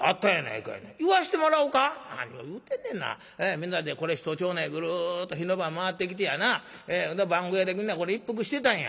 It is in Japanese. みんなでこれ一町内ぐるっと火の番回ってきてやな番小屋でみんな一服してたんや。